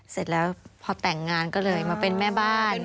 เสร็จแล้วพอแต่งงานก็เลยมาเป็นแม่บ้าน